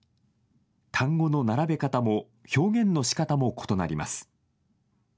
単語の並べ方も表現のしかたも異なります。